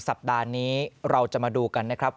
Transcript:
สัปดาห์นี้เราจะมาดูกันนะครับ